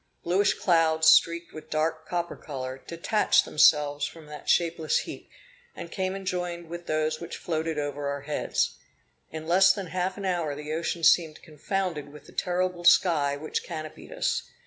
Bluish clouds, streaked with a dark copper color, detached themselves from that shapeless heap, and came and joined with those which floated over our heads. In less than half an hour the ocean seemed confounded with the terrible sky which canopied us.